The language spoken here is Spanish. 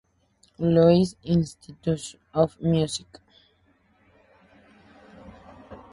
Louis Institute of Music".